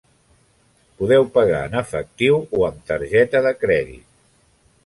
Podeu pagar en efectiu o amb targeta de crèdit.